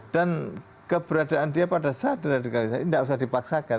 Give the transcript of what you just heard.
dan keberadaan dia pada saat ini gak usah dipaksakan